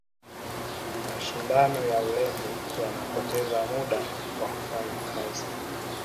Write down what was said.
mashindano ya urembo yanapoteza muda wa kufanya kazi